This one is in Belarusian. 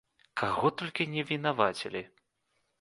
Каго толькі не вінавацілі!